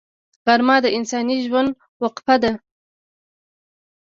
غرمه د انساني ژوند وقفه ده